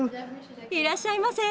いらっしゃいませ。